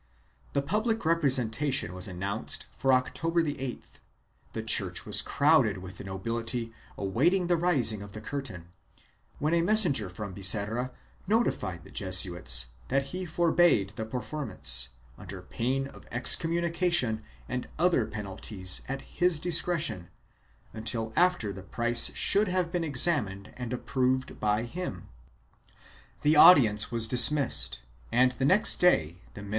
The public representation was announced for October 8th; the church was crowded with the nobility awaiting the rising of the curtain, when a messenger from Biserra notified the Jesuits that he forbade the performance, under pain of excommunication and other penalties at his discretion, until after the piece should have been examined and approved by him. The audience was dismissed and the next day the MS.